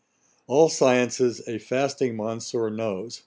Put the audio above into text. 'All sciences a fasting monsieur knows.'